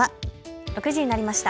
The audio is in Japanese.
６時になりました。